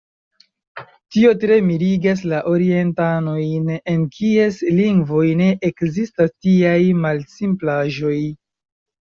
Tio tre mirigas la orientanojn, en kies lingvoj ne ekzistas tiaj malsimplaĵoj.